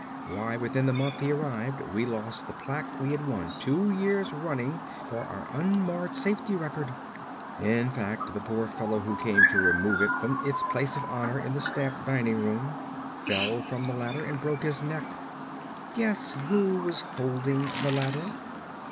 Why within the month he arrived we lost the plaque we had won two years running for our unmarred safety record. In fact, the poor fellow who came to remove it from its place of honor in the staff dining room fell from the ladder and broke his neck. Guess who was holding the ladder?"